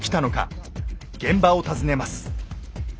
現場を訪ねます。